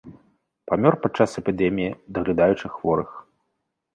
Памёр пад час эпідэміі, даглядаючы хворых.